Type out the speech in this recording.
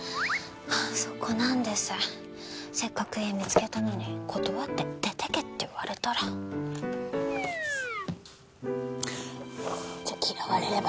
そこなんですせっかく家見つけたのに断って出てけって言われたらじゃあ嫌われれば？